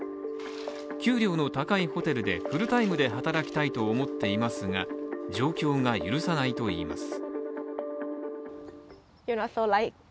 給料の高いホテルで、フルタイムで働きたいと思っていますが状況が許さないといいます。